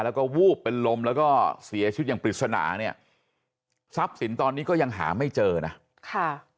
แล้วก็วูบเป็นลมแล้วก็เสียชีวิตอย่างปริศนาเนี่ยทรัพย์สินตอนนี้ก็ยังหาไม่เจอนะค่ะ